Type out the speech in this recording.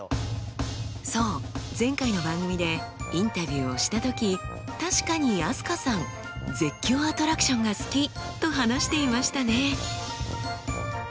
そう前回の番組でインタビューをした時確かに飛鳥さん絶叫アトラクションが好きと話していましたね。